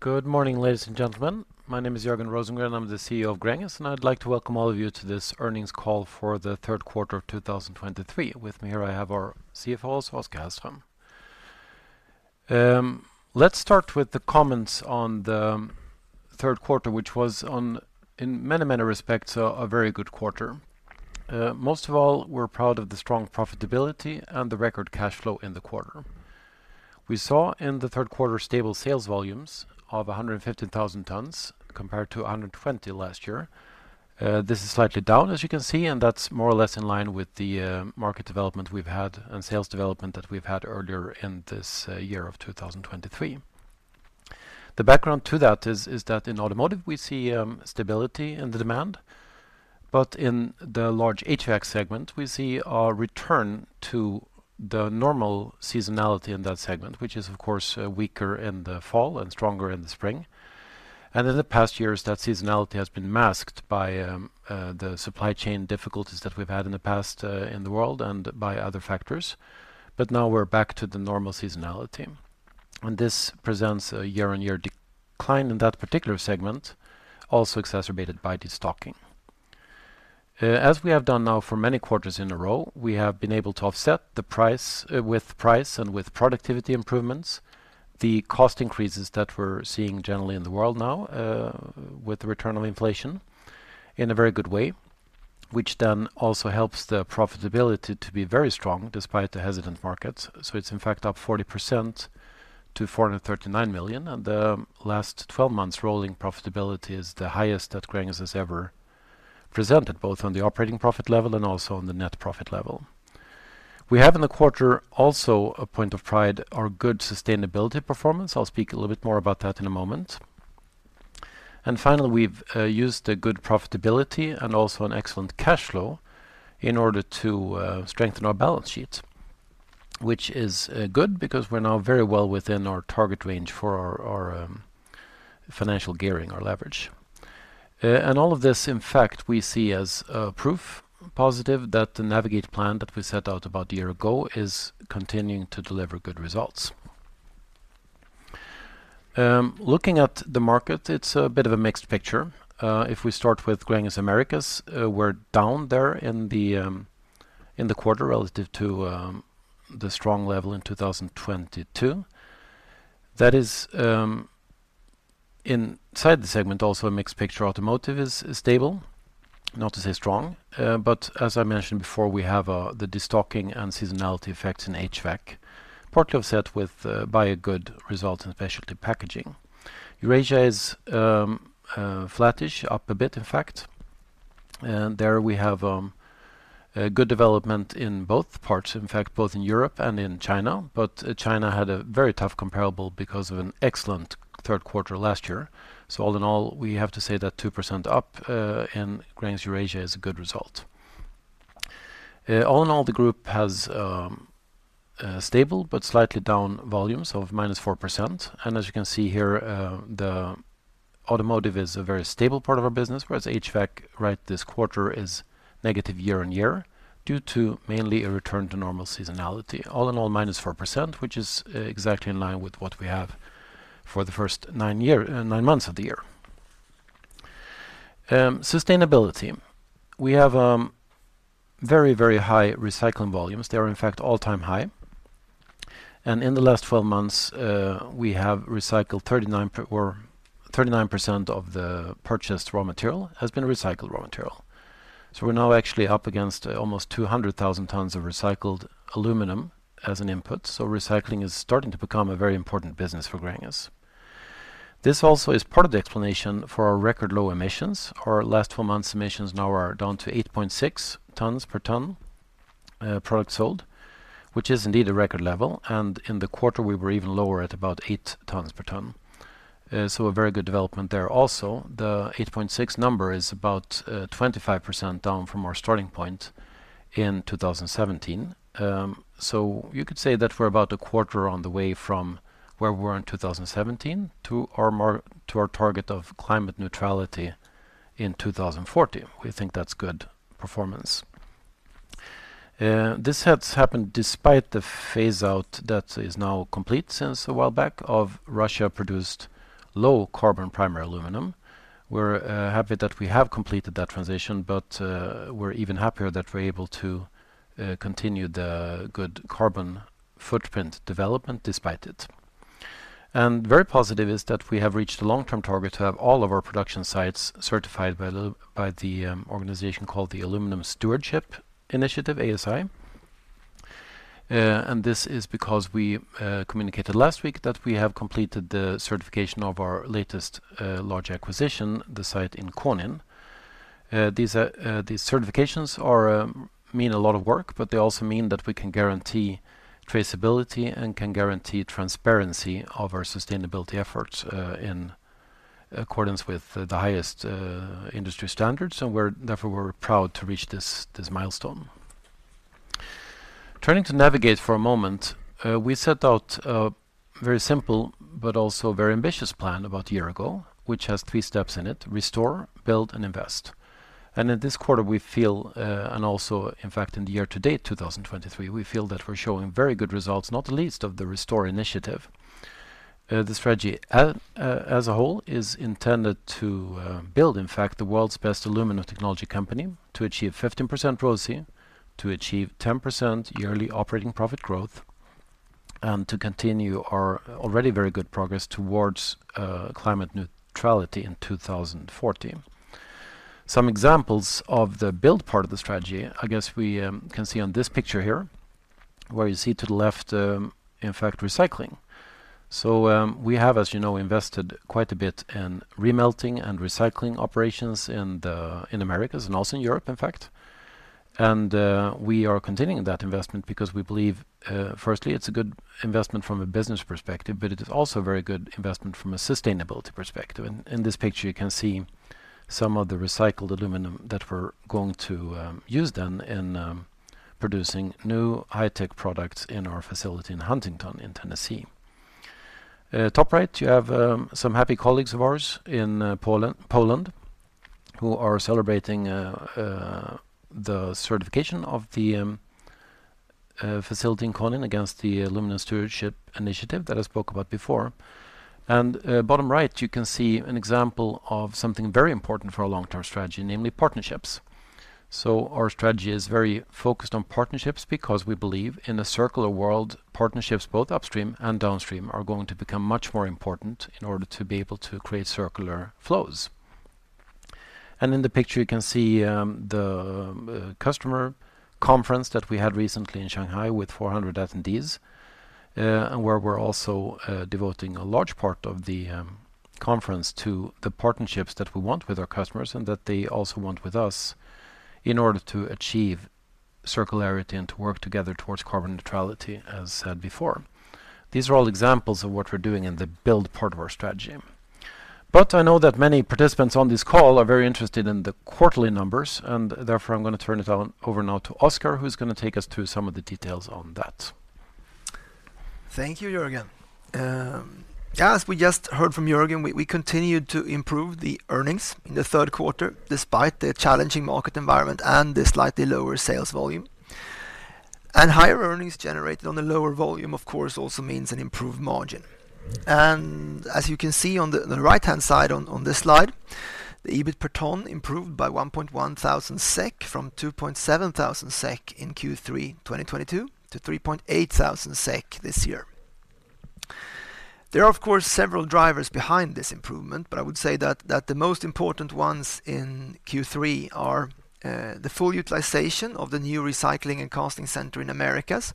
Good morning, ladies and gentlemen. My name is Jörgen Rosengren, I'm the CEO of Gränges, and I'd like to welcome all of you to this earnings call for the third quarter of 2023. With me here, I have our CFO, Oskar Hellström. Let's start with the comments on the third quarter, which was on, in many, many respects, a, a very good quarter. Most of all, we're proud of the strong profitability and the record cash flow in the quarter. We saw in the third quarter, stable sales volumes of 115,000 tonnes, compared to 120,000 last year. This is slightly down, as you can see, and that's more or less in line with the, market development we've had and sales development that we've had earlier in this, year of 2023. The background to that is that in Automotive, we see stability in the demand, but in the large HVAC segment, we see a return to the normal seasonality in that segment, which is, of course, weaker in the fall and stronger in the spring. In the past years, that seasonality has been masked by the supply chain difficulties that we've had in the past in the world and by other factors. Now we're back to the normal seasonality, and this presents a year-on-year decline in that particular segment, also exacerbated by destocking. As we have done now for many quarters in a row, we have been able to offset the price, with price and with productivity improvements, the cost increases that we're seeing generally in the world now, with the return of inflation, in a very good way, which then also helps the profitability to be very strong, despite the hesitant markets. So it's, in fact, up 40% to 439 million, and the last 12 months rolling profitability is the highest that Gränges has ever presented, both on the operating profit level and also on the net profit level. We have in the quarter also a point of pride, our good sustainability performance. I'll speak a little bit more about that in a moment. Finally, we've used a good profitability and also an excellent cash flow in order to strengthen our balance sheet, which is good because we're now very well within our target range for our financial gearing or leverage. All of this, in fact, we see as proof positive that the Navigate plan that we set out about a year ago is continuing to deliver good results. Looking at the market, it's a bit of a mixed picture. If we start with Gränges Americas, we're down there in the quarter relative to the strong level in 2022. That is, inside the segment, also a mixed picture. Automotive is stable, not to say strong, but as I mentioned before, we have the destocking and seasonality effects in HVAC, partly offset with by a good result in specialty packaging. Eurasia is flattish, up a bit, in fact, and there we have a good development in both parts. In fact, both in Europe and in China, but China had a very tough comparable because of an excellent third quarter last year. So all in all, we have to say that 2% up in Gränges Eurasia is a good result. All in all, the Group has stable, but slightly down volumes of -4%. As you can see here, the Automotive is a very stable part of our business, whereas HVAC, right this quarter, is negative year-on-year, due to mainly a return to normal seasonality. All in all, -4%, which is exactly in line with what we have for the first nine year, nine months of the year. Sustainability. We have, very, very high recycling volumes. They are, in fact, all-time high. And in the last 12 months, we have recycled 39, or 39% of the purchased raw material has been recycled raw material. So we're now actually up against almost 200,000 tonnes of recycled aluminum as an input, so recycling is starting to become a very important business for Gränges. This also is part of the explanation for our record low emissions. Our last four months emissions now are down to 8.6 tonnes per tonne, product sold, which is indeed a record level, and in the quarter, we were even lower at about 8 tonnes per tonne. So a very good development there. Also, the 8.6 number is about 25% down from our starting point in 2017. So you could say that we're about a quarter on the way from where we were in 2017 to our mar, to our target of climate neutrality in 2040. We think that's good performance. This has happened despite the phase out that is now complete since a while back, of Russia-produced low-carbon primary aluminum. We're happy that we have completed that transition, but we're even happier that we're able to continue the good carbon footprint development despite it. Very positive is that we have reached a long-term target to have all of our production sites certified by the organization called the Aluminium Stewardship Initiative, ASI. This is because we communicated last week that we have completed the certification of our latest large acquisition, the site in Konin. These certifications mean a lot of work, but they also mean that we can guarantee traceability and can guarantee transparency of our sustainability efforts in accordance with the highest industry standards, and therefore we're proud to reach this milestone. Turning to Navigate for a moment, we set out a very simple but also very ambitious plan about a year ago, which has three steps in it: restore, build, and invest. In this quarter, we feel, and also, in fact, in the year to date, 2023, we feel that we're showing very good results, not the least of the Restore initiative. The strategy as a whole is intended to build, in fact, the world's best aluminum technology company, to achieve 15% ROCE, to achieve 10% yearly operating profit growth, and to continue our already very good progress towards climate neutrality in 2040. Some examples of the build part of the strategy, I guess we can see on this picture here, where you see to the left, in fact, recycling. So, we have, as you know, invested quite a bit in remelting and recycling operations in the Americas and also in Europe, in fact. And we are continuing that investment because we believe, firstly, it's a good investment from a business perspective, but it is also a very good investment from a sustainability perspective. And in this picture, you can see some of the recycled aluminum that we're going to use then in producing new high-tech products in our facility in Huntington, Tennessee. Top right, you have some happy colleagues of ours in Poland, who are celebrating the certification of the facility in Konin against the Aluminium Stewardship Initiative that I spoke about before. And bottom right, you can see an example of something very important for our long-term strategy, namely partnerships. So our strategy is very focused on partnerships because we believe in a circular world, partnerships, both upstream and downstream, are going to become much more important in order to be able to create circular flows. And in the picture, you can see, the customer conference that we had recently in Shanghai with 400 attendees, and where we're also, devoting a large part of the conference to the partnerships that we want with our customers and that they also want with us in order to achieve circularity and to work together towards carbon neutrality, as said before. These are all examples of what we're doing in the build part of our strategy. But I know that many participants on this call are very interested in the quarterly numbers, and therefore, I'm going to turn it over now to Oskar, who's going to take us through some of the details on that. Thank you, Jörgen. As we just heard from Jörgen, we continued to improve the earnings in the third quarter, despite the challenging market environment and the slightly lower sales volume. Higher earnings generated on the lower volume, of course, also means an improved margin. As you can see on the right-hand side on this slide, the EBIT per tonne improved by 1,100 SEK, from 2,700 SEK in Q3 2022 to 3,800 SEK this year. There are, of course, several drivers behind this improvement, but I would say that the most important ones in Q3 are the full utilization of the new recycling and casting center in Americas,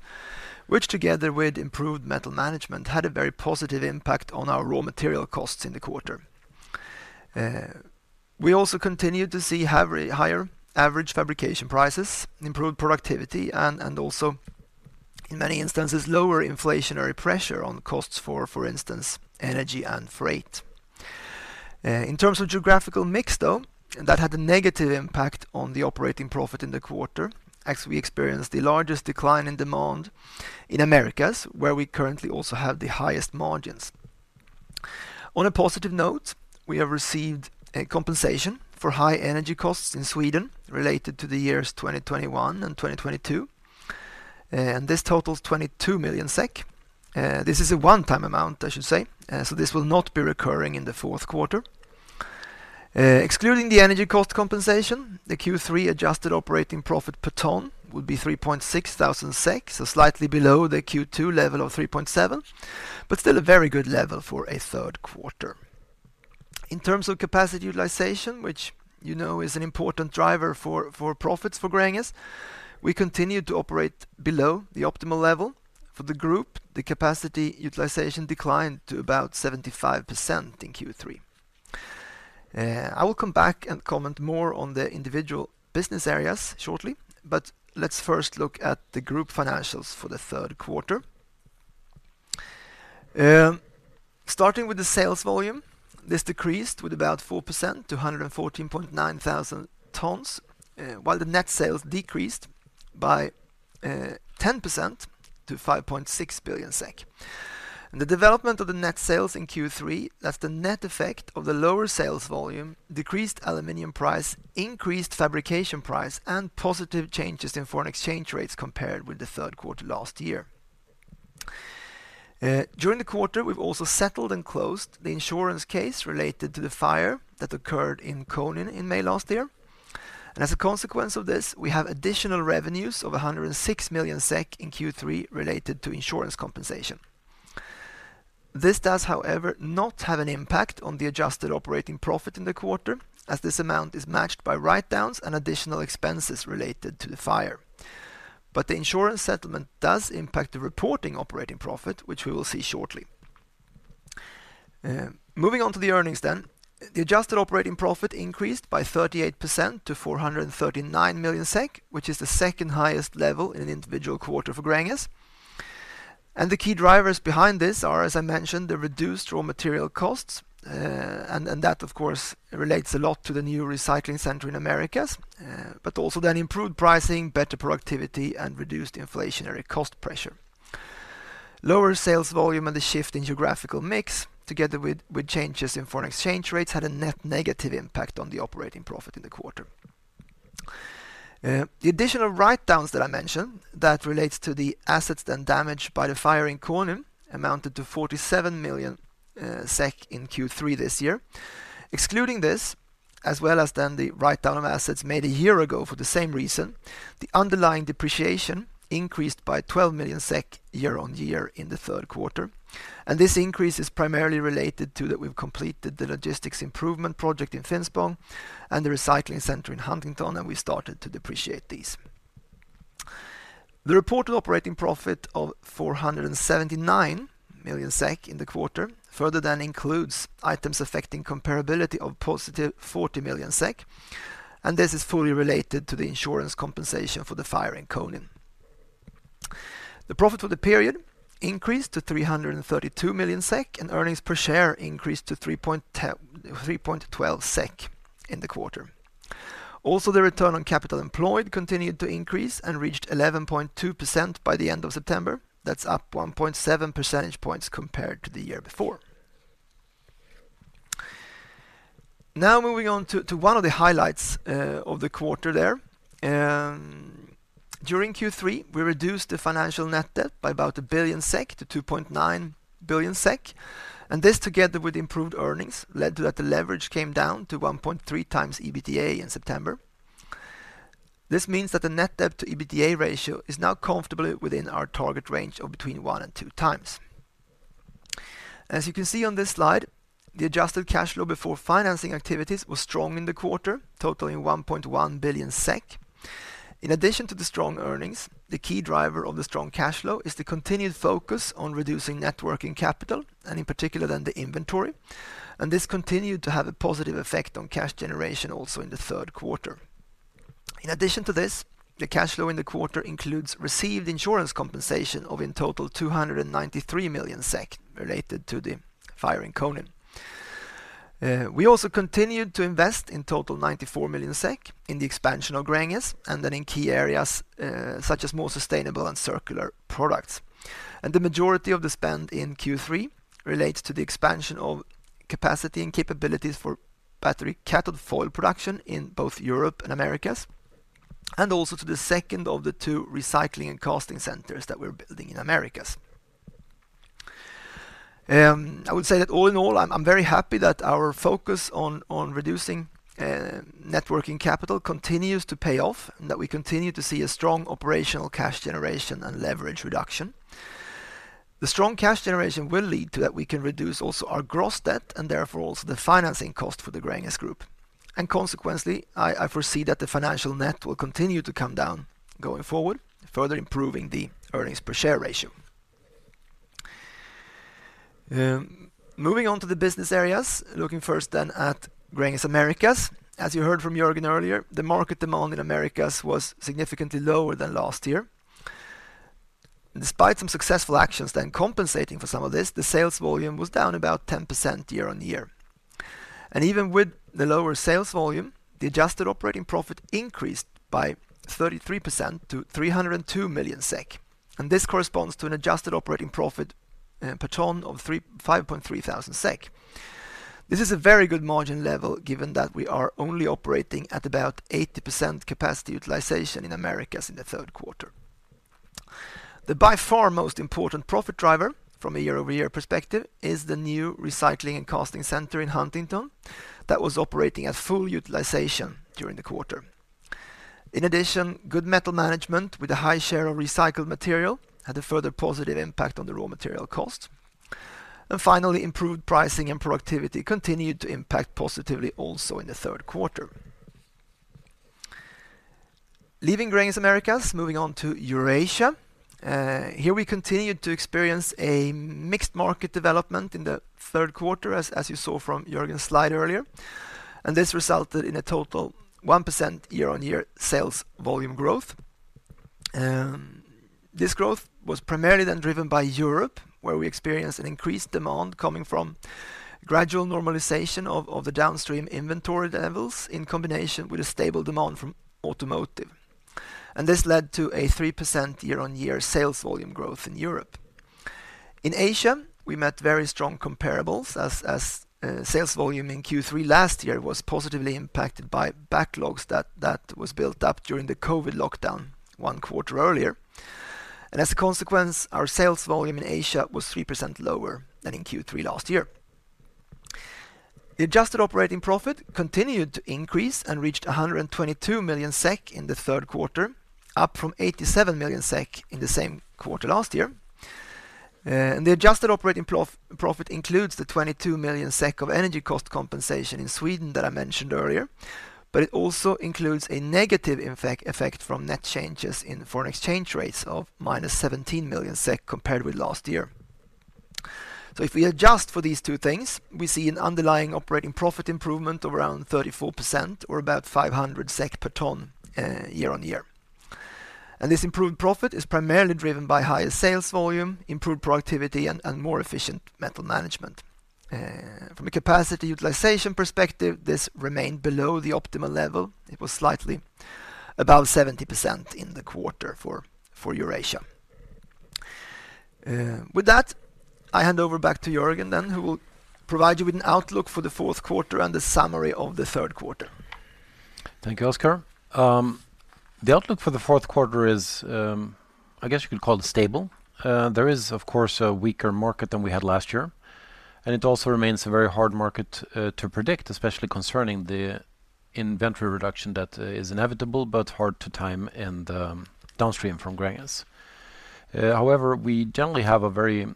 which, together with improved metal management, had a very positive impact on our raw material costs in the quarter. We also continued to see higher average fabrication prices, improved productivity, and also, in many instances, lower inflationary pressure on costs for, for instance, energy and freight. In terms of geographical mix, though, that had a negative impact on the operating profit in the quarter, as we experienced the largest decline in demand in Americas, where we currently also have the highest margins. On a positive note, we have received a compensation for high energy costs in Sweden related to the years 2021 and 2022, and this totals 22 million SEK. This is a one-time amount, I should say, so this will not be recurring in the fourth quarter. Excluding the energy cost compensation, the Q3 adjusted operating profit per tonne would be 3,600 SEK, so slightly below the Q2 level of 3,700, but still a very good level for a third quarter. In terms of capacity utilization, which you know, is an important driver for profits for Gränges, we continued to operate below the optimal level. For the Group, the capacity utilization declined to about 75% in Q3. I will come back and comment more on the individual business areas shortly, but let's first look at the Group financials for the third quarter. Starting with the sales volume, this decreased with about 4% to 114,900 tonnes, while the net sales decreased by 10% to 5.6 billion SEK. The development of the net sales in Q3 left a net effect of the lower sales volume, decreased aluminum price, increased fabrication price, and positive changes in foreign exchange rates compared with the third quarter last year. During the quarter, we've also settled and closed the insurance case related to the fire that occurred in Konin in May last year. And as a consequence of this, we have additional revenues of 106 million SEK in Q3 related to insurance compensation. This does, however, not have an impact on the adjusted operating profit in the quarter, as this amount is matched by write-downs and additional expenses related to the fire. But the insurance settlement does impact the reporting operating profit, which we will see shortly. Moving on to the earnings then. The adjusted operating profit increased by 38% to 439 million SEK, which is the second highest level in an individual quarter for Gränges. The key drivers behind this are, as I mentioned, the reduced raw material costs, and that, of course, relates a lot to the new recycling center in Americas, but also then improved pricing, better productivity, and reduced inflationary cost pressure. Lower sales volume and the shift in geographical mix, together with changes in foreign exchange rates, had a net negative impact on the operating profit in the quarter. The additional write-downs that I mentioned, that relates to the assets then damaged by the fire in Konin, amounted to 47 million SEK in Q3 this year. Excluding this, as well as then the write-down of assets made a year ago for the same reason, the underlying depreciation increased by 12 million SEK year-on-year in the third quarter, and this increase is primarily related to that we've completed the logistics improvement project in Finspång and the recycling center in Huntington, and we started to depreciate these. The reported operating profit of 479 million SEK in the quarter, further then includes items affecting comparability of +40 million SEK, and this is fully related to the insurance compensation for the fire in Konin. The profit for the period increased to 332 million SEK, and earnings per share increased to 3.12 SEK in the quarter. Also, the return on capital employed continued to increase and reached 11.2% by the end of September. That's up 1.7 percentage points compared to the year before. Now, moving on to, to one of the highlights of the quarter there. During Q3, we reduced the financial net debt by about 1 billion SEK to 2.9 billion SEK, and this, together with improved earnings, led to that the leverage came down to 1.3x EBITDA in September. This means that the net debt to EBITDA ratio is now comfortably within our target range of between 1x and 2x. As you can see on this slide, the adjusted cash flow before financing activities was strong in the quarter, totaling 1.1 billion SEK. In addition to the strong earnings, the key driver of the strong cash flow is the continued focus on reducing net working capital, and in particular, on the inventory, and this continued to have a positive effect on cash generation also in the third quarter. In addition to this, the cash flow in the quarter includes received insurance compensation of in total 293 million SEK related to the fire in Konin. We also continued to invest in total 94 million SEK in the expansion of Gränges and then in key areas, such as more sustainable and circular products. The majority of the spend in Q3 relates to the expansion of capacity and capabilities for battery cathode foil production in both Europe and Americas, and also to the second of the two recycling and casting centers that we're building in Americas. I would say that all in all, I'm, I'm very happy that our focus on, on reducing net working capital continues to pay off, and that we continue to see a strong operational cash generation and leverage reduction. The strong cash generation will lead to that we can reduce also our gross debt and therefore also the financing cost for the Gränges Group. And consequently, I, I foresee that the financial net will continue to come down going forward, further improving the earnings per share ratio. Moving on to the business areas, looking first then at Gränges Americas. As you heard from Jörgen earlier, the market demand in Americas was significantly lower than last year. Despite some successful actions, then compensating for some of this, the sales volume was down about 10% year-on-year. Even with the lower sales volume, the adjusted operating profit increased by 33% to 302 million SEK, and this corresponds to an adjusted operating profit per tonne of 5,300 SEK. This is a very good margin level, given that we are only operating at about 80% capacity utilization in Americas in the third quarter. The by far most important profit driver from a year-over-year perspective is the new recycling and casting center in Huntington that was operating at full utilization during the quarter. In addition, good metal management with a high share of recycled material had a further positive impact on the raw material cost. Finally, improved pricing and productivity continued to impact positively also in the third quarter. Leaving Gränges Americas, moving on to Eurasia. Here we continued to experience a mixed market development in the third quarter, as you saw from Jörgen's slide earlier, and this resulted in a total 1% year-on-year sales volume growth. This growth was primarily then driven by Europe, where we experienced an increased demand coming from gradual normalization of the downstream inventory levels, in combination with a stable demand from Automotive. And this led to a 3% year-on-year sales volume growth in Europe. In Asia, we met very strong comparables as sales volume in Q3 last year was positively impacted by backlogs that was built up during the COVID lockdown one quarter earlier. And as a consequence, our sales volume in Asia was 3% lower than in Q3 last year. The adjusted operating profit continued to increase and reached 122 million SEK in the third quarter, up from 87 million SEK in the same quarter last year. The adjusted operating profit includes the 22 million SEK of energy cost compensation in Sweden that I mentioned earlier, but it also includes a negative effect from net changes in foreign exchange rates of -17 million SEK compared with last year. So if we adjust for these two things, we see an underlying operating profit improvement of around 34% or about 500 SEK per tonne, year-on-year. This improved profit is primarily driven by higher sales volume, improved productivity, and more efficient metal management. From a capacity utilization perspective, this remained below the optimal level. It was slightly above 70% in the quarter for Eurasia. With that, I hand over back to Jörgen then, who will provide you with an outlook for the fourth quarter and the summary of the third quarter. Thank you, Oskar. The outlook for the fourth quarter is, I guess you could call it stable. There is, of course, a weaker market than we had last year, and it also remains a very hard market to predict, especially concerning the inventory reduction that is inevitable, but hard to time in the downstream from Gränges. However, we generally have a very,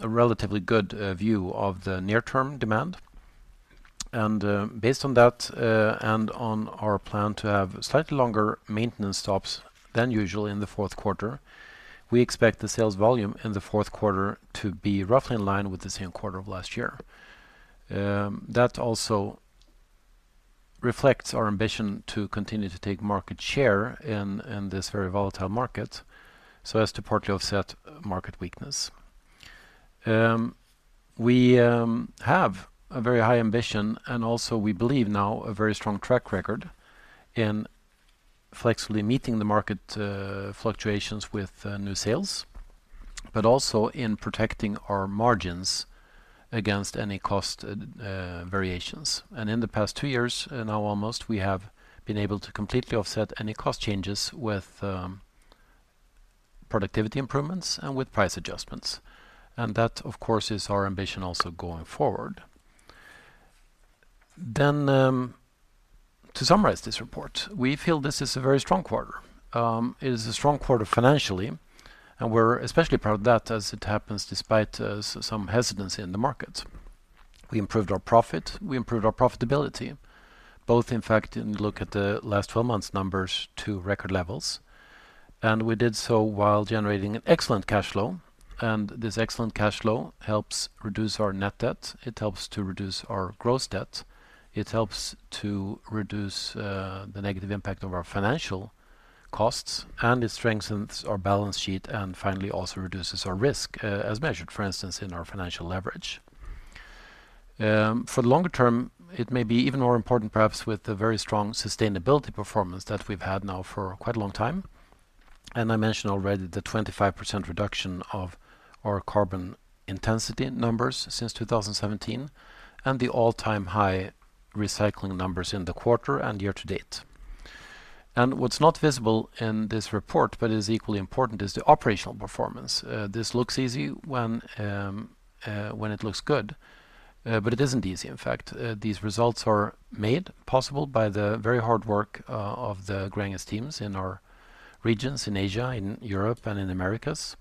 a relatively good view of the near-term demand. And, based on that, and on our plan to have slightly longer maintenance stops than usual in the fourth quarter, we expect the sales volume in the fourth quarter to be roughly in line with the same quarter of last year. That also reflects our ambition to continue to take market share in this very volatile market, so as to partly offset market weakness. We have a very high ambition, and also, we believe now, a very strong track record in flexibly meeting the market fluctuations with new sales, but also in protecting our margins against any cost variations. In the past two years, now almost, we have been able to completely offset any cost changes with productivity improvements and with price adjustments. And that, of course, is our ambition also going forward. Then, to summarize this report, we feel this is a very strong quarter. It is a strong quarter financially, and we're especially proud of that as it happens despite some hesitancy in the market. We improved our profit, we improved our profitability, both, in fact, when you look at the last 12 months numbers, to record levels, and we did so while generating an excellent cash flow. This excellent cash flow helps reduce our net debt, it helps to reduce our gross debt, it helps to reduce the negative impact of our financial costs, and it strengthens our balance sheet, and finally, also reduces our risk as measured, for instance, in our financial leverage. For the longer term, it may be even more important, perhaps with the very strong sustainability performance that we've had now for quite a long time. And I mentioned already the 25% reduction of our carbon intensity numbers since 2017, and the all-time high recycling numbers in the quarter and year to date. And what's not visible in this report, but is equally important, is the operational performance. This looks easy when it looks good, but it isn't easy, in fact. These results are made possible by the very hard work of the Gränges teams in our regions, in Asia, in Europe, and in Americas,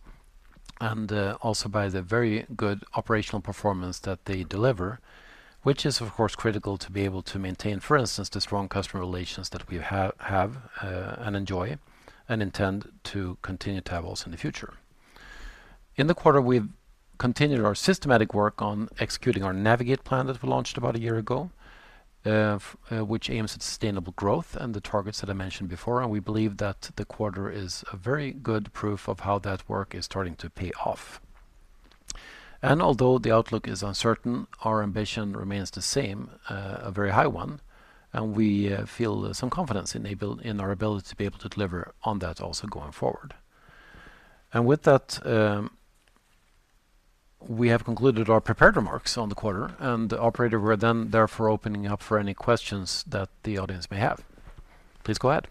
and also by the very good operational performance that they deliver, which is, of course, critical to be able to maintain, for instance, the strong customer relations that we have and enjoy, and intend to continue to have also in the future. In the quarter, we've continued our systematic work on executing our Navigate plan that we launched about a year ago, which aims at sustainable growth and the targets that I mentioned before, and we believe that the quarter is a very good proof of how that work is starting to pay off. Although the outlook is uncertain, our ambition remains the same, a very high one, and we feel some confidence in our ability to be able to deliver on that also going forward. With that, we have concluded our prepared remarks on the quarter, and operator, we're then therefore opening up for any questions that the audience may have. Please go ahead.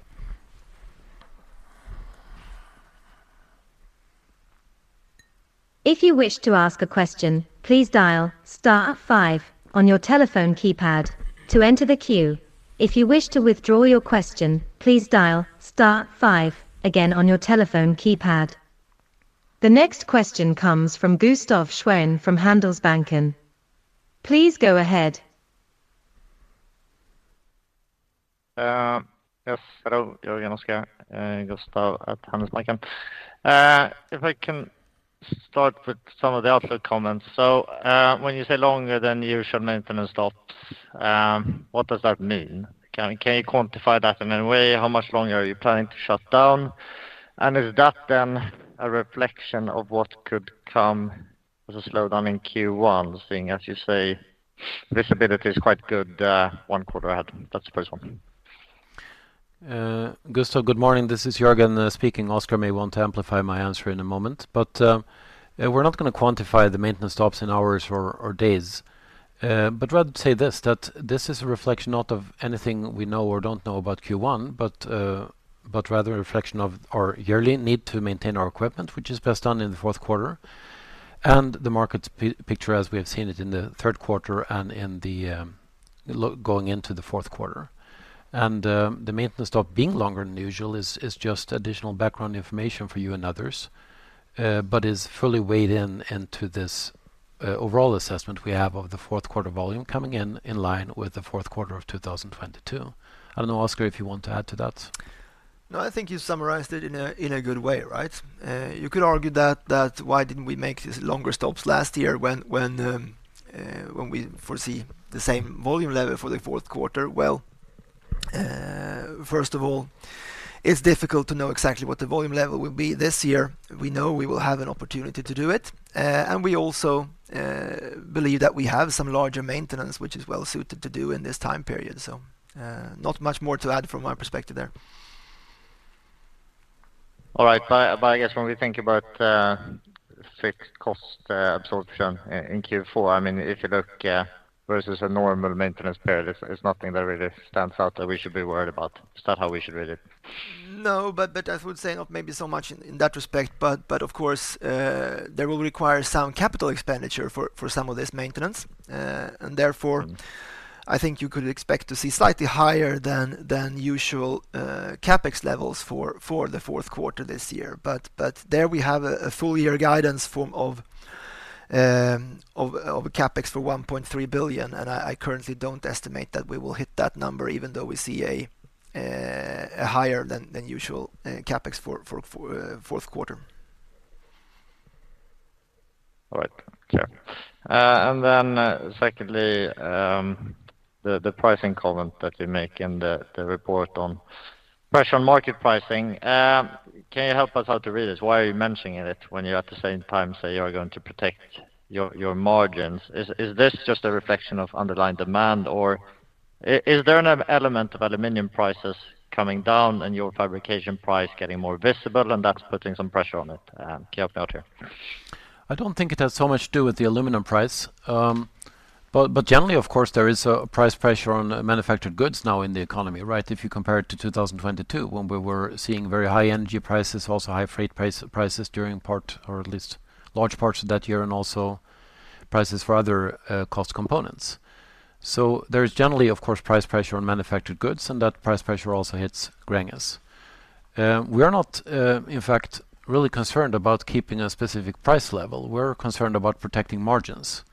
If you wish to ask a question, please dial star five on your telephone keypad to enter the queue. If you wish to withdraw your question, please dial star five again on your telephone keypad. The next question comes from Gustaf Schwerin from Handelsbanken. Please go ahead. Yes, hello, Jörgen, Oskar, Gustaf at Handelsbanken. If I can start with some of the outlook comments. So, when you say longer than usual maintenance stops, what does that mean? Can you quantify that in any way? How much longer are you planning to shut down? And is that then a reflection of what could come as a slowdown in Q1, seeing as you say, visibility is quite good, one quarter ahead? That's the first one. Gustaf, good morning. This is Jörgen speaking. Oskar may want to amplify my answer in a moment, but we're not gonna quantify the maintenance stops in hours or days. But rather say this, that this is a reflection not of anything we know or don't know about Q1, but rather a reflection of our yearly need to maintain our equipment, which is best done in the fourth quarter, and the market picture as we have seen it in the third quarter and in the look going into the fourth quarter. And the maintenance stop being longer than usual is just additional background information for you and others, but is fully weighed in into this overall assessment we have of the fourth quarter volume coming in in line with the fourth quarter of 2022. I don't know, Oskar, if you want to add to that. No, I think you summarized it in a good way, right? You could argue that why didn't we make these longer stops last year when we foresee the same volume level for the fourth quarter? Well, first of all, it's difficult to know exactly what the volume level will be this year. We know we will have an opportunity to do it. And we also believe that we have some larger maintenance, which is well suited to do in this time period. So, not much more to add from my perspective there. All right. But, but I guess when we think about fixed cost absorption in Q4, I mean, if you look versus a normal maintenance period, it's, it's nothing that really stands out that we should be worried about. Is that how we should read it? No, but, but I would say not maybe so much in, in that respect, but, but of course, there will require some capital expenditure for, for some of this maintenance. And therefore, I think you could expect to see slightly higher than, than usual, CapEx levels for, for the fourth quarter this year. But, but there we have a, a full year guidance form of, of, of CapEx for 1.3 billion, and I, I currently don't estimate that we will hit that number, even though we see a, a higher than, than usual, CapEx for, for, fourth quarter. All right. Clear. And then, secondly, the pricing comment that you make in the report on pressure on market pricing. Can you help us how to read this? Why are you mentioning it when you, at the same time, say you are going to protect your margins? Is this just a reflection of underlying demand, or is there an element of aluminum prices coming down and your fabrication price getting more visible, and that's putting some pressure on it? Can you help me out here? I don't think it has so much to do with the aluminum price. But generally, of course, there is a price pressure on manufactured goods now in the economy, right? If you compare it to 2022, when we were seeing very high energy prices, also high freight price, prices during part, or at least large parts of that year, and also prices for other cost components. So there's generally, of course, price pressure on manufactured goods, and that price pressure also hits Gränges. We are not, in fact, really concerned about keeping a specific price level. We're concerned about protecting margins.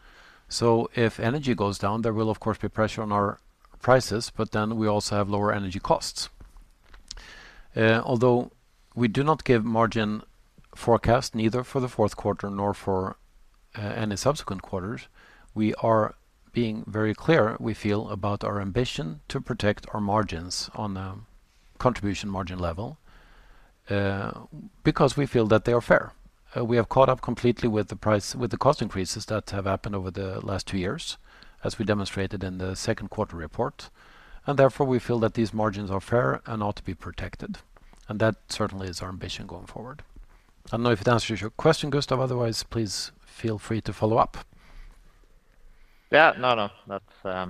So if energy goes down, there will of course be pressure on our prices, but then we also have lower energy costs. Although we do not give margin forecast, neither for the fourth quarter nor for any subsequent quarters, we are being very clear, we feel, about our ambition to protect our margins on a contribution margin level, because we feel that they are fair. We have caught up completely with the cost increases that have happened over the last two years, as we demonstrated in the second quarter report. And therefore, we feel that these margins are fair and ought to be protected, and that certainly is our ambition going forward. I don't know if it answers your question, Gustaf, otherwise, please feel free to follow up. Yeah. No, no, that's,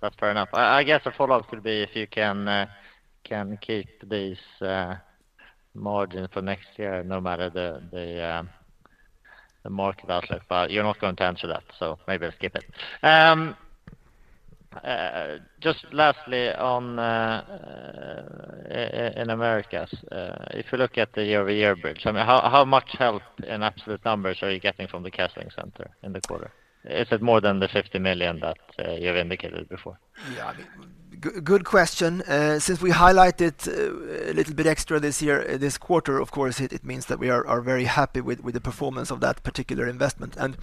that's fair enough. I guess a follow-up could be if you can keep this margin for next year, no matter the market outlet, but you're not going to answer that, so maybe I'll skip it. Just lastly, on in Americas, if you look at the year-over-year bridge, I mean, how much help in absolute numbers are you getting from the casting center in the quarter? Is it more than the 50 million that you've indicated before? Yeah, good question. Since we highlighted a little bit extra this year, this quarter, of course, it means that we are very happy with the performance of that particular investment. And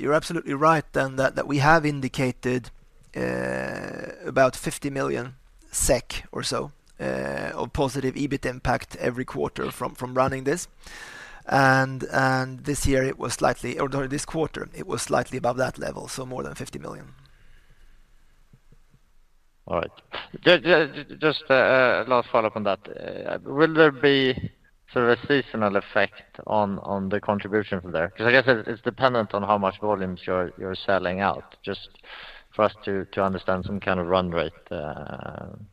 you're absolutely right then, that we have indicated about 50 million SEK or so of positive EBIT impact every quarter from running this. And this year, it was slightly, or no, this quarter, it was slightly above that level, so more than 50 million. All right. Just a last follow-up on that. Will there be sort of a seasonal effect on the contribution from there? Because I guess it's dependent on how much volumes you're selling out. Just for us to understand some kind of run rate on this.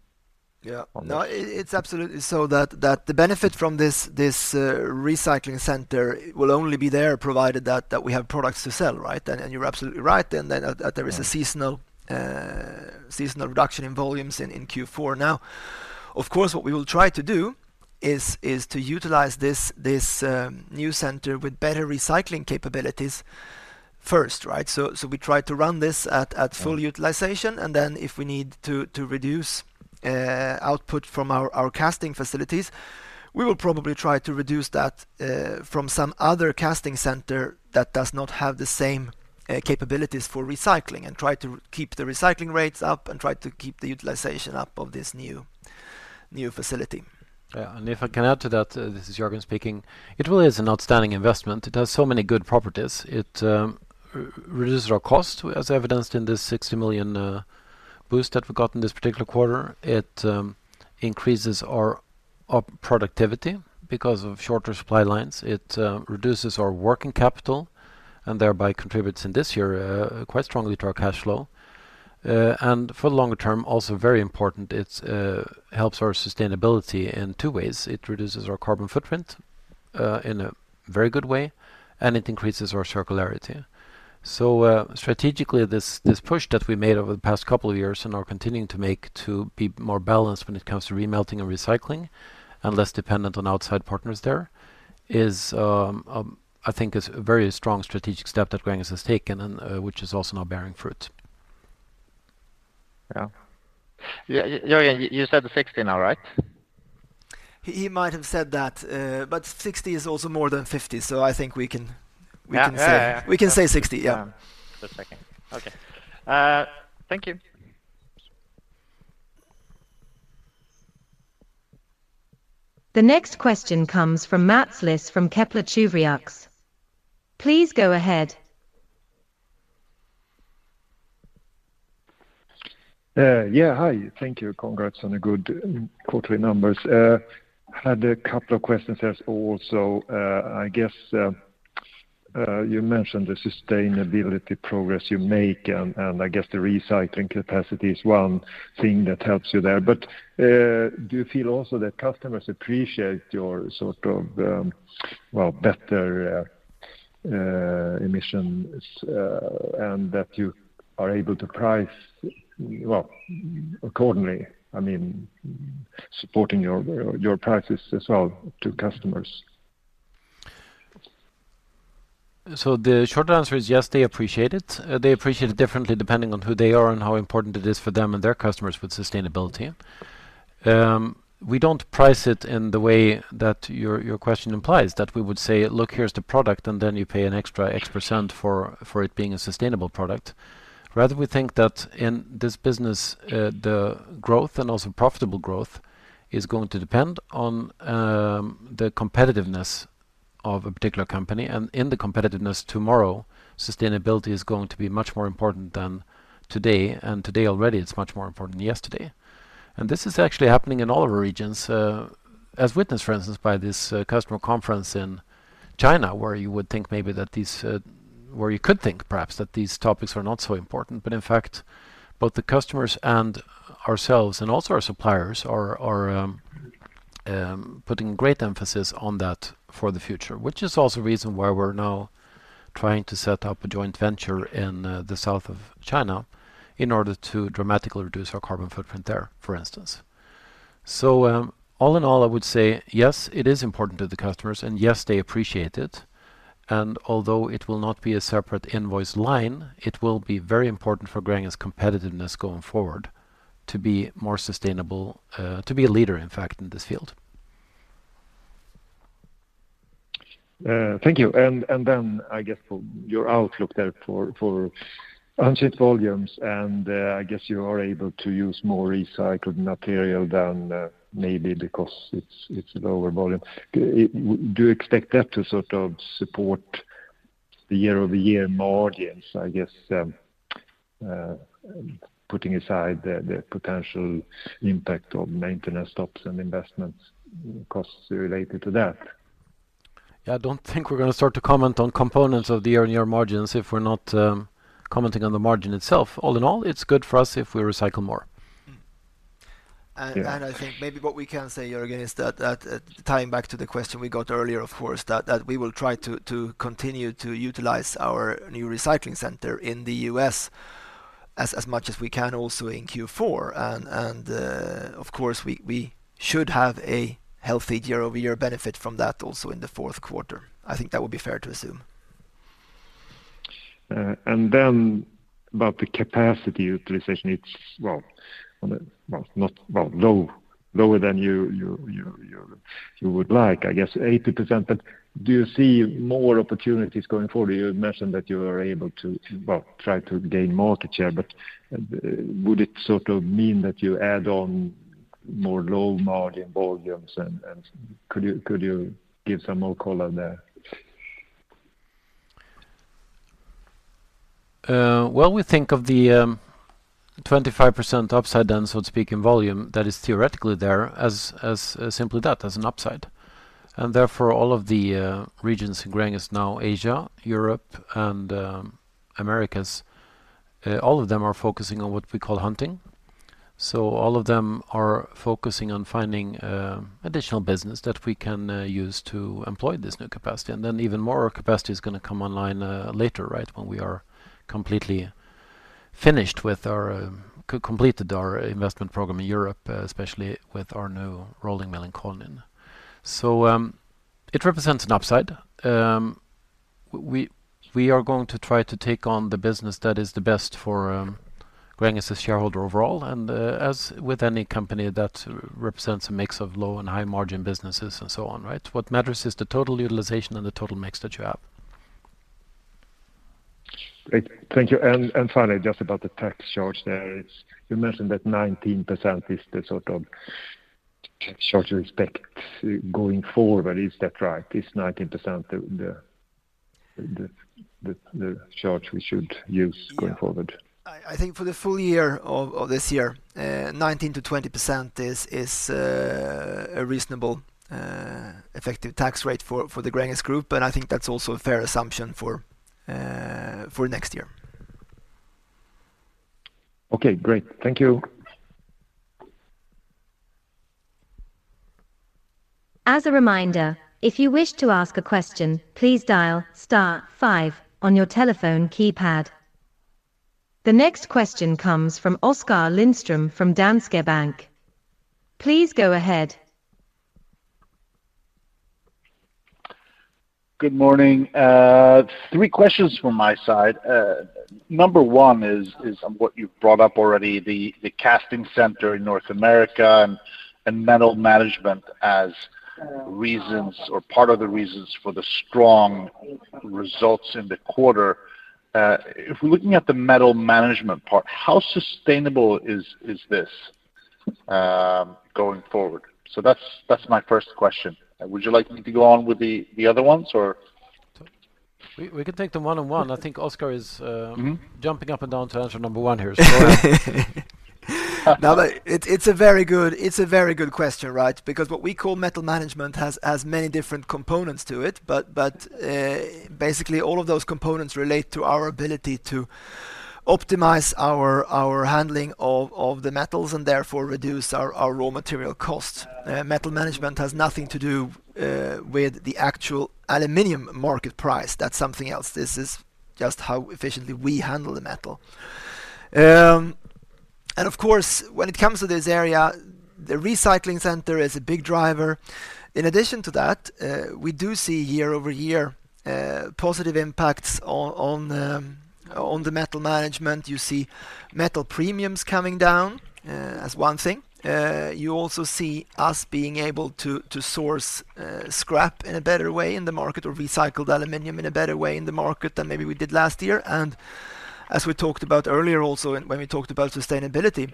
Yeah. No, it's absolutely so that the benefit from this recycling center will only be there provided that we have products to sell, right? And you're absolutely right then that there is a seasonal reduction in volumes in Q4. Now, of course, what we will try to do is to utilize this new center with better recycling capabilities first, right? So we try to run this at full utilization, and then if we need to reduce output from our casting facilities, we will probably try to reduce that from some other casting center that does not have the same capabilities for recycling, and try to keep the recycling rates up and try to keep the utilization up of this new facility. Yeah, and if I can add to that, this is Jörgen speaking. It really is an outstanding investment. It has so many good properties. It reduces our cost, as evidenced in the 60 million boost that we got in this particular quarter. It increases our productivity because of shorter supply lines. It reduces our working capital, and thereby contributes, in this year, quite strongly to our cash flow. And for the longer term, also very important, it helps our sustainability in two ways. It reduces our carbon footprint in a very good way, and it increases our circularity. Strategically, this push that we made over the past couple of years and are continuing to make to be more balanced when it comes to re-melting and recycling, and less dependent on outside partners there, is, I think is a very strong strategic step that Gränges has taken and which is also now bearing fruit. Yeah. Jörgen, you said 60 million now, right? He, he might have said that, but 60 million is also more than 50 million, so I think we can, we can say. Yeah, yeah, yeah. We can say 60 million, yeah. Just checking. Okay. Thank you. The next question comes from Mats Liss from Kepler Cheuvreux. Please go ahead. Yeah, hi. Thank you. Congrats on the good quarterly numbers. Had a couple of questions there also. I guess you mentioned the sustainability progress you make, and I guess the recycling capacity is one thing that helps you there. But do you feel also that customers appreciate your sort of, well, better emissions, and that you are able to price well accordingly? I mean, supporting your practice as well to customers. So the short answer is yes, they appreciate it. They appreciate it differently depending on who they are and how important it is for them and their customers with sustainability. We don't price it in the way that your, your question implies, that we would say, "Look, here's the product, and then you pay an extra X percent for, for it being a sustainable product." Rather, we think that in this business, the growth and also profitable growth is going to depend on, the competitiveness of a particular company, and in the competitiveness tomorrow, sustainability is going to be much more important than today, and today already, it's much more important than yesterday. And this is actually happening in all of our regions, as witnessed, for instance, by this, customer conference in China, where you would think maybe that these. Where you could think perhaps that these topics are not so important, but in fact, both the customers and ourselves, and also our suppliers, are putting great emphasis on that for the future, which is also reason why we're now trying to set up a joint venture in the south of China in order to dramatically reduce our carbon footprint there, for instance. So, all in all, I would say, yes, it is important to the customers, and, yes, they appreciate it, and although it will not be a separate invoice line, it will be very important for Gränges competitiveness going forward, to be more sustainable, to be a leader, in fact, in this field. Thank you. And then I guess for your outlook there for shipped volumes, and I guess you are able to use more recycled material than maybe because it's lower volume. Do you expect that to sort of support the year-over-year margins, I guess, putting aside the potential impact of maintenance stops and investment costs related to that? Yeah, I don't think we're gonna start to comment on components of the year-on-year margins if we're not commenting on the margin itself. All in all, it's good for us if we recycle more. And I think maybe what we can say, Jörgen, is that tying back to the question we got earlier, of course, we will try to continue to utilize our new recycling center in the U.S. as much as we can, also in Q4. Of course, we should have a healthy year-over-year benefit from that also in the fourth quarter. I think that would be fair to assume. And then about the capacity utilization, it's well, not well, low, lower than you would like, I guess 80%, but do you see more opportunities going forward? You mentioned that you are able to, well, try to gain market share, but would it sort of mean that you add on more low-margin volumes and could you give some more color there? Well, we think of the 25% upside, then, so to speak, in volume, that is theoretically there as simply that, as an upside. And therefore, all of the regions in Gränges now, Asia, Europe, and Americas, all of them are focusing on what we call hunting. So all of them are focusing on finding additional business that we can use to employ this new capacity. And then even more capacity is gonna come online later, right? When we are completely finished with our completed our investment program in Europe, especially with our new rolling mill in Konin. So it represents an upside. We are going to try to take on the business that is the best for Gränges' shareholder overall. As with any company, that represents a mix of low and high-margin businesses and so on, right? What matters is the total utilization and the total mix that you have. Great. Thank you. And finally, just about the tax charge there is, you mentioned that 19% is the sort of charge you expect going forward. Is that right? Is 19% the charge we should use going forward? I think for the full year of this year, 19%-20% is a reasonable effective tax rate for the Gränges Group, and I think that's also a fair assumption for next year. Okay, great. Thank you. As a reminder, if you wish to ask a question, please dial star five on your telephone keypad. The next question comes from Oskar Lindström from Danske Bank. Please go ahead. Good morning. Three questions from my side. Number one is on what you've brought up already, the casting center in North America and metal management as reasons or part of the reasons for the strong results in the quarter. If we're looking at the metal management part, how sustainable is this going forward? So that's my first question. Would you like me to go on with the other ones, or? We can take them one-on-one. I think Oskar is, Mm-hmm. Jumping up and down to answer number one here, so. Now, it's a very good question, right? Because what we call metal management has many different components to it, but basically, all of those components relate to our ability to optimize our handling of the metals and therefore reduce our raw material costs. Metal management has nothing to do with the actual aluminum market price. That's something else. This is just how efficiently we handle the metal. And of course, when it comes to this area, the recycling center is a big driver. In addition to that, we do see year-over-year positive impacts on the metal management. You see metal premiums coming down as one thing. You also see us being able to source scrap in a better way in the market, or recycled aluminum in a better way in the market than maybe we did last year. And as we talked about earlier, also when we talked about sustainability,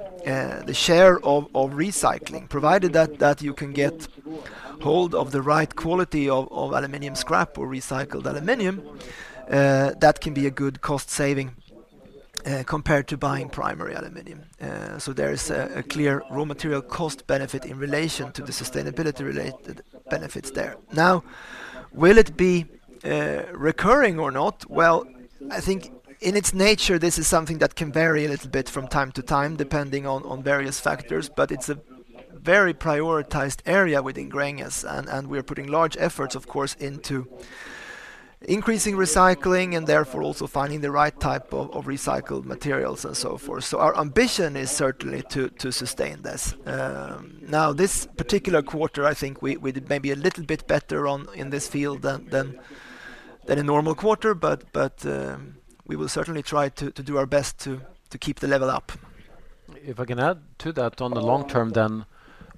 the share of recycling, provided that you can get hold of the right quality of aluminum scrap or recycled aluminum, that can be a good cost saving compared to buying primary aluminum. So there is a clear raw material cost benefit in relation to the sustainability-related benefits there. Now, will it be recurring or not? Well, I think in its nature, this is something that can vary a little bit from time to time, depending on various factors, but it's a very prioritized area within Gränges, and we're putting large efforts, of course, into increasing recycling and therefore also finding the right type of recycled materials and so forth. So our ambition is certainly to sustain this. Now, this particular quarter, I think we did maybe a little bit better in this field than a normal quarter, but we will certainly try to do our best to keep the level up. If I can add to that on the long term, then,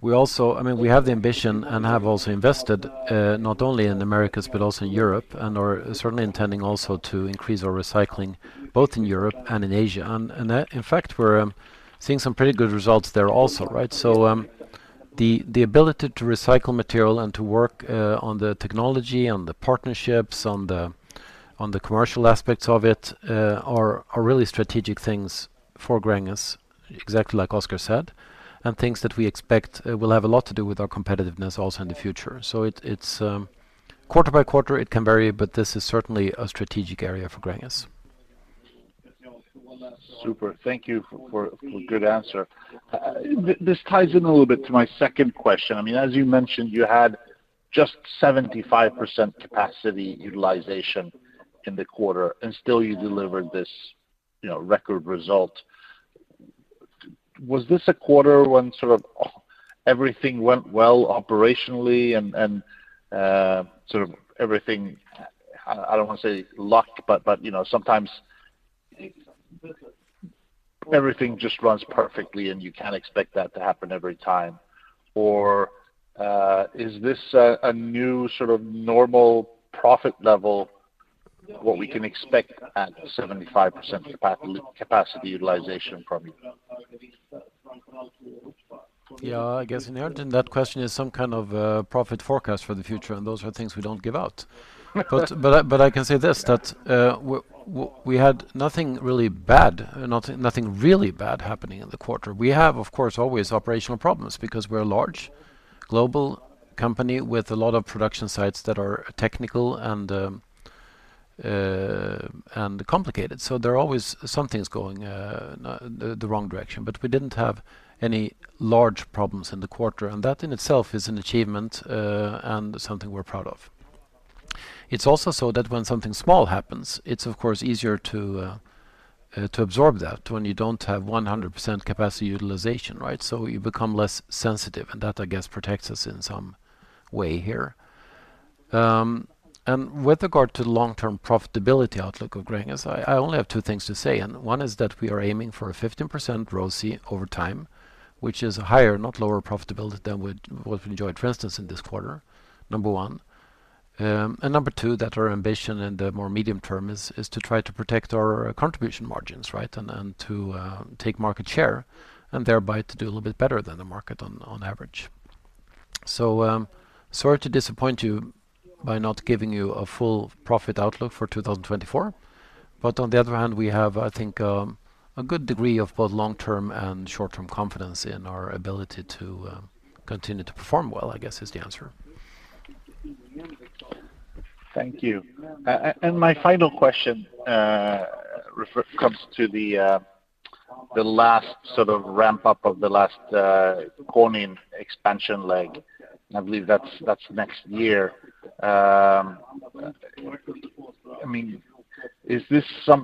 I mean, we have the ambition and have also invested not only in Americas, but also in Europe, and are certainly intending also to increase our recycling, both in Europe and in Asia. And that, in fact, we're seeing some pretty good results there also, right? So, the ability to recycle material and to work on the technology, on the partnerships, on the commercial aspects of it, are really strategic things for Gränges, exactly like Oskar said, and things that we expect will have a lot to do with our competitiveness also in the future. So it, it's quarter by quarter, it can vary, but this is certainly a strategic area for Gränges. Super. Thank you for, for a good answer. This ties in a little bit to my second question. I mean, as you mentioned, you had just 75% capacity utilization in the quarter, and still you delivered this, you know, record result. Was this a quarter when sort of everything went well operationally and, and, sort of everything, I don't want to say luck, but, but, you know, sometimes everything just runs perfectly, and you can't expect that to happen every time? Or, is this a, a new sort of normal profit level, what we can expect at a 75% capacity utilization from you? Yeah, I guess inherent in that question is some kind of profit forecast for the future, and those are things we don't give out. But I can say this, that we had nothing really bad, nothing really bad happening in the quarter. We have, of course, always operational problems because we're a large, global company with a lot of production sites that are technical and complicated, so there are always some things going the wrong direction, but we didn't have any large problems in the quarter, and that in itself is an achievement, and something we're proud of. It's also so that when something small happens, it's of course easier to absorb that when you don't have 100% capacity utilization, right? So you become less sensitive, and that, I guess, protects us in some way here. And with regard to the long-term profitability outlook of Gränges, I only have two things to say, and one is that we are aiming for a 15% ROCE over time, which is a higher, not lower, profitability than we've enjoyed, for instance, in this quarter, number one. And number two, that our ambition in the more medium term is to try to protect our contribution margins, right? And then to take market share, and thereby to do a little bit better than the market on average. So, sorry to disappoint you by not giving you a full profit outlook for 2024, but on the other hand, we have, I think, a good degree of both long-term and short-term confidence in our ability to continue to perform well, I guess is the answer. Thank you. And my final question refers to the last sort of ramp up of the last Konin expansion leg. I believe that's next year. I mean,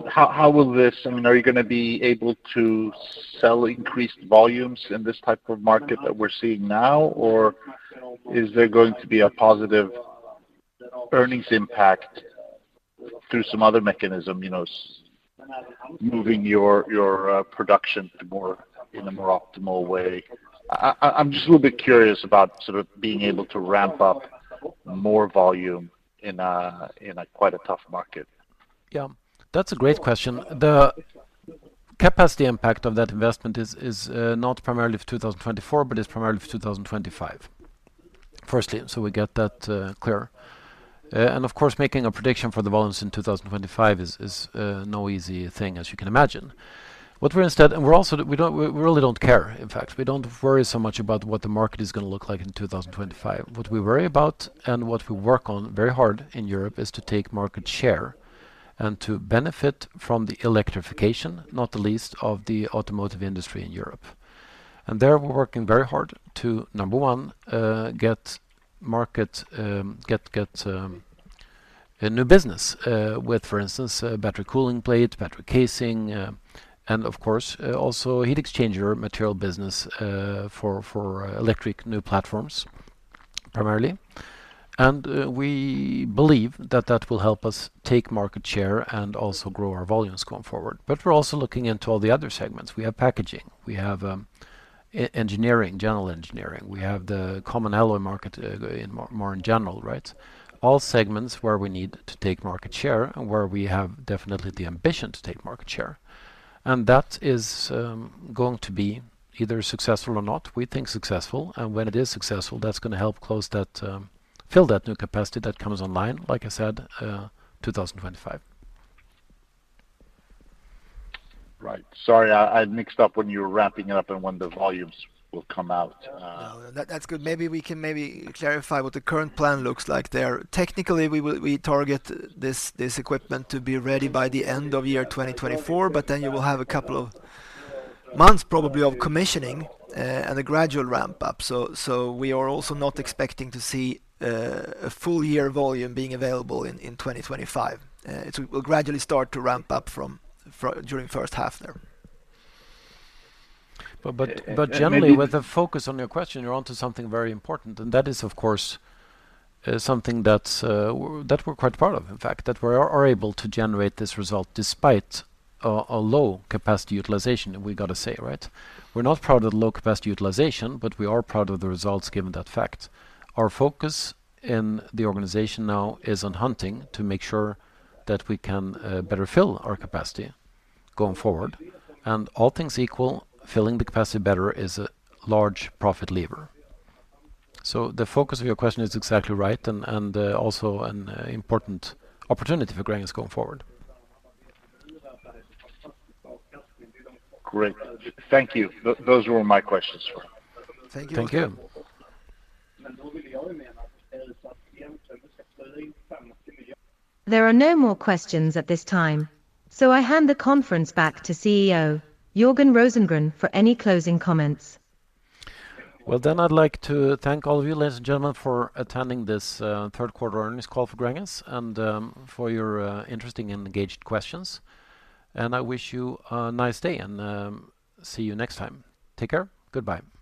how will this, I mean, are you gonna be able to sell increased volumes in this type of market that we're seeing now, or is there going to be a positive earnings impact through some other mechanism, you know, moving your production to more, in a more optimal way? I'm just a little bit curious about sort of being able to ramp up more volume in a quite tough market. Yeah, that's a great question. The capacity impact of that investment is not primarily for 2024, but is primarily for 2025, firstly, so we get that clear. And of course, making a prediction for the volumes in 2025 is no easy thing, as you can imagine. What we're instead, and we're also, we don't, we really don't care, in fact. We don't worry so much about what the market is gonna look like in 2025. What we worry about and what we work on very hard in Europe is to take market share and to benefit from the electrification, not the least of the automotive industry in Europe. There, we're working very hard to, number one, get market, get a new business, with, for instance, a battery cooling plate, battery casing, and of course, also heat exchanger material business, for electric new platforms, primarily. And we believe that that will help us take market share and also grow our volumes going forward. But we're also looking into all the other segments. We have packaging, we have, e-engineering, general engineering. We have the common alloy market, in more in general, right? All segments where we need to take market share, and where we have definitely the ambition to take market share. And that is going to be either successful or not. We think successful, and when it is successful, that's gonna help close that, fill that new capacity that comes online, like I said, 2025. Right. Sorry, I mixed up when you were wrapping it up and when the volumes will come out. No, that, that's good. Maybe we can maybe clarify what the current plan looks like there. Technically, we will target this equipment to be ready by the end of 2024, but then you will have a couple of months, probably, of commissioning and a gradual ramp-up. So, so we are also not expecting to see a full year volume being available in 2025. It will gradually start to ramp up from during first half there. But, but, but generally, with a focus on your question, you're onto something very important, and that is, of course, something that that we're quite proud of, in fact, that we are able to generate this result despite a low capacity utilization, we gotta say, right? We're not proud of the low capacity utilization, but we are proud of the results given that fact. Our focus in the organization now is on hunting, to make sure that we can better fill our capacity going forward. And all things equal, filling the capacity better is a large profit lever. So the focus of your question is exactly right, and also an important opportunity for Gränges going forward. Great. Thank you. Those were all my questions. Thank you. Thank you. There are no more questions at this time, so I hand the conference back to CEO, Jörgen Rosengren, for any closing comments. Well, then I'd like to thank all of you, ladies and gentlemen, for attending this third quarter earnings call for Gränges, and for your interesting and engaged questions. I wish you a nice day, and see you next time. Take care. Goodbye.